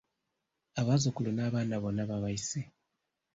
Abazzukulu n’abaana bonna baabayise.